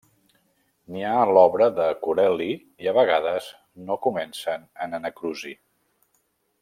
N'hi ha en l'obra de Corelli i a vegades no comencen en anacrusi.